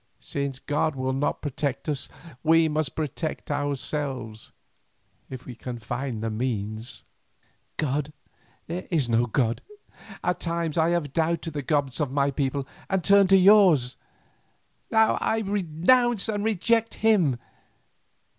Since God will not protect us, we must protect ourselves if we can find the means." "God! there is no God. At times I have doubted the gods of my people and turned to yours; now I renounce and reject Him.